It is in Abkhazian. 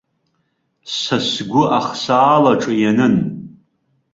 Са сгәы ахсаалаҿы ианын.